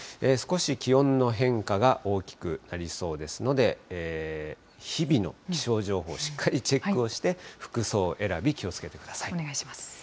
少し気温の変化が大きくなりそうですので、日々の気象情報をしっかりチェックをして、服装選び、お願いします。